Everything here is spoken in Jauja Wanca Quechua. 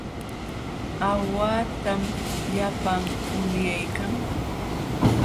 Aawahtam llapan ulyaykan.